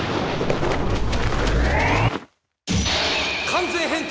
完全変態！